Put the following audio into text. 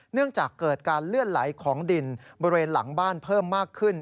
เนื่องจากเกิดการเลื่อนไหลของดินบริเวณหลังบ้านเพิ่มมากขึ้น